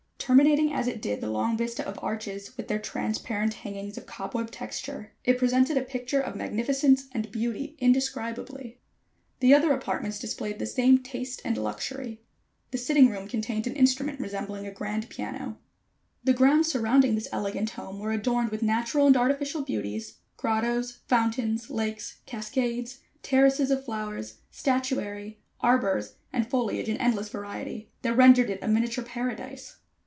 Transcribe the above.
Terminating, as it did, the long vista of arches with their transparent hangings of cobweb texture, it presented a picture of magnificence and beauty indescribably. The other apartments displayed the same taste and luxury. The sitting room contained an instrument resembling a grand piano. The grounds surrounding this elegant home were adorned with natural and artificial beauties, Grottoes, fountains, lakes, cascades, terraces of flowers, statuary, arbors and foliage in endless variety, that rendered it a miniature paradise.